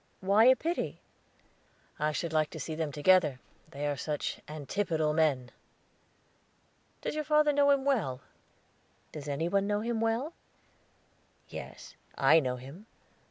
"Why a pity?" "I should like to see them together, they are such antipodal men. Does your father know him well?" "Does any one know him well?" "Yes, I know him.